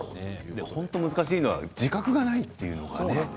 本当に難しいのは自覚がないということがね。